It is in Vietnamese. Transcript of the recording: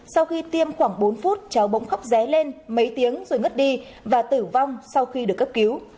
sau khi tiêm khoảng bốn phút cháu bỗng khóc dé lên mấy tiếng rồi ngất đi và tử vong sau khi được cấp cứu